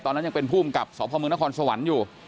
ตอนนั้นยังเป็นภูมิกับศพมนครสวรรค์อยู่